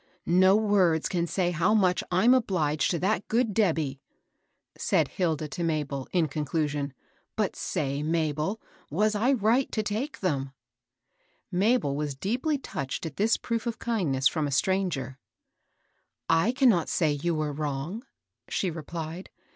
" No words can say how much I'm obliged to GOOD ANGELS. 186 that good Debby," said Hilda to Mabel, in conclu sion. ^^But say, Mabel, was I right to take them?" Mabel was deeply touched at this proof of kind ness firom a stranger. "I cannot say you were wrong," she replied.